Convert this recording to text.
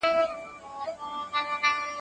غټي داړي یې ښکاره کړې په خندا سو